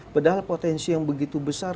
padahal potensi yang begitu besar